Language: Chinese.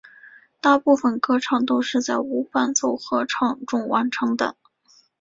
大部分歌唱都是在无伴奏合唱中完成的。